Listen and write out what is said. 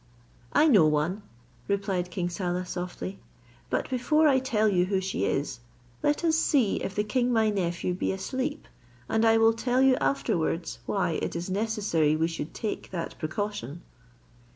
"I know one," replied king Saleh, softly; "but before I tell you who she is, let us see if the king my nephew be asleep, and I will tell you afterwards why it is necessary we should take that precaution."